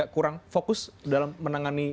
kurang fokus dalam menangani